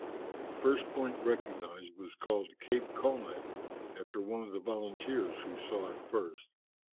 The first point recognized was called Cape Colnett, after one of the volunteers who saw it first.